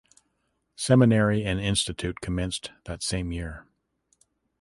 Seminary and institute commenced that same year.